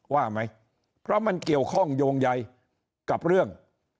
ว่าไหมเพราะมันเกี่ยวข้องโยงใยกับเรื่อง